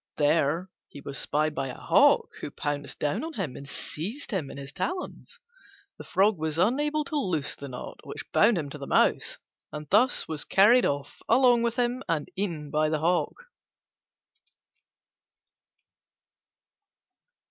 There he was spied by a Hawk, who pounced down on him and seized him in his talons. The Frog was unable to loose the knot which bound him to the Mouse, and thus was carried off along with him and eaten by the Hawk.